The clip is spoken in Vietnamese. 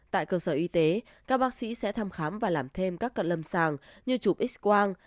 tại cơ sở y tế các bác sĩ sẽ thăm khám và làm thêm các cận lâm sàng như chụp x quang